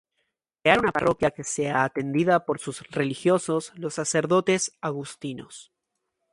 Crear una Parroquia que sea atendida por sus religiosos, los sacerdotes agustinos.